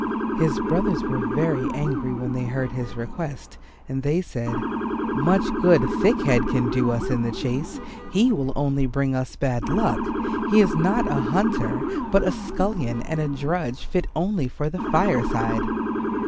His brothers were very angry when they heard his request, and they said, "Much good Thick head can do us in the chase. He will only bring us bad luck. He is not a hunter but a scullion and a drudge fit only for the fireside."